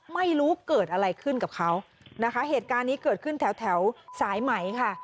ไม่รู้เกิดอะไรขึ้นกับเขานะคะเหตุการณ์นี้เกิดขึ้นแถวแถวสายไหมค่ะ